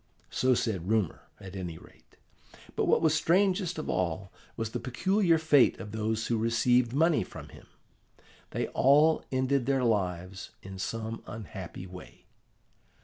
So said rumour, at any rate. But what was strangest of all was the peculiar fate of those who received money from him: they all ended their lives in some unhappy way.